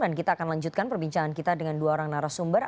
dan kita akan lanjutkan perbincangan kita dengan dua orang narasumber